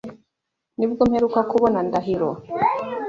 Nibwo mperuka kubona Ndahiro .